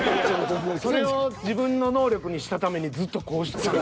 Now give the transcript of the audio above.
それを自分の能力にしたためにずっとこうしとかな。